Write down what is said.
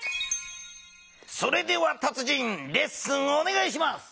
それでは達人レッスンおねがいします。